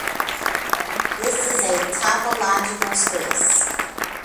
This is a topological space.